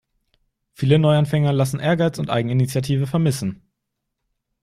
Viele Neuanfänger lassen Ehrgeiz und Eigeninitiative vermissen.